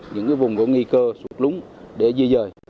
những vùng gỗ nghi cơ sụt lúng để di rời